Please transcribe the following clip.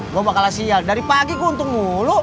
gue bakal siyal dari pagi keuntung mulu